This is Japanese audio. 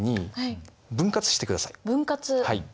はい。